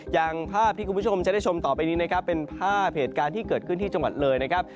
อย่างภาพที่คุณผู้ชมจะได้ชมต่อไปนี้นะครับเป็นภาพเหตุการณ์ที่เกิดขึ้นที่จังหวัดเลยนะครับ